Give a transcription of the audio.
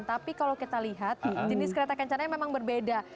tapi kalau kita lihat jenis kereta kencana memang berbeda